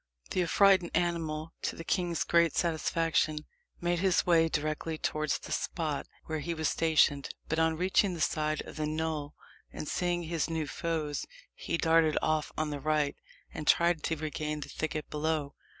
The affrighted animal, to the king's great satisfaction, made his way directly towards the spot where he was stationed; but on reaching the side of the knoll, and seeing his new foes, he darted off on the right, and tried to regain the thicket below.